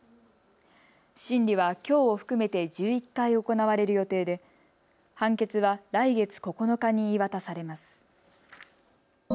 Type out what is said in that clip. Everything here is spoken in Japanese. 審理はきょうを含めて１１回行われる予定で判決は来月９日に言い渡されます。